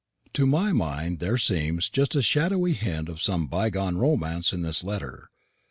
To my mind there seems just a shadowy hint of some bygone romance in this letter.